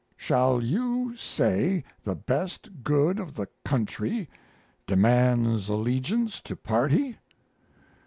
Shall you say the best good of the country demands allegiance to party?